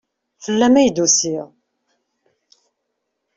Fell-am ay d-usiɣ.